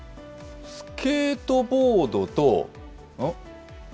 スケートボードと、うん？